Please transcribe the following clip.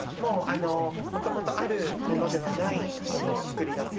もともとあるものではないものをつくり出す？